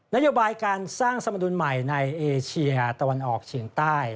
นโยบายการสร้างสมดุลใหม่ในเอเชียตะวันออกเฉียงใต้